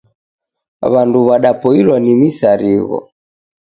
W'andu w'adapoilwa ni misarigho.